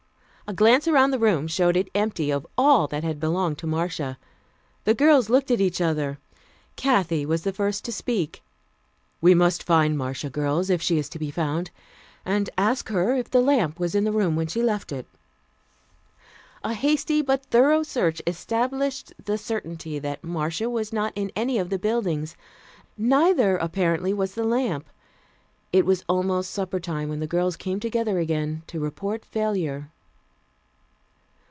A glance around the room showed it empty of all that had belonged to Marcia. The girls looked at each other. Kathy was the first to speak. "We must find Marcia, girls if she is to be found and ask her if the lamp was in the room when she left it." A hasty but thorough search established the certainty that Marcia was not in any of the buildings. Neither, apparently, was the lamp. It was almost supper time when the girls came together again to report failure.